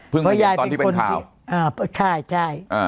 เพิ่งได้เห็นตอนที่เป็นข่าวใช่ใช่